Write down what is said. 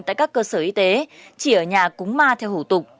tại các cơ sở y tế chỉ ở nhà cúng ma theo hủ tục